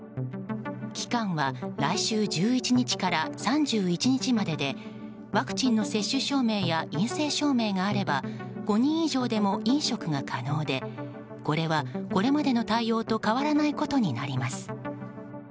期間は来週１１日から３１日まででワクチンの接種証明や陰性証明があれば５人以上でも飲食が可能でこれは、これまでの対応と変わらないことになります。